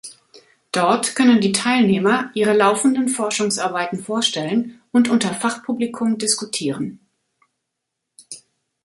Dort können die Teilnehmer ihre laufenden Forschungsarbeiten vorstellen und unter Fachpublikum diskutieren.